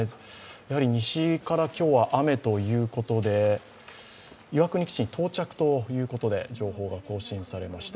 やはり西から今日は雨ということで、岩国基地に到着ということで情報が更新されました。